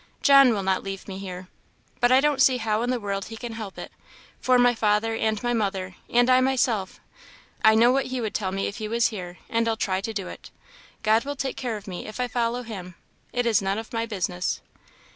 John will not leave me here! But I don't see how in the world he can help it, for my father and my mother, and I myself I know what he would tell me if he was here, and I'll try to do it. God will take care of me if I follow him: it is none of my business."